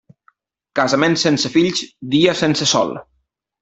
Casament sense fills, dia sense sol.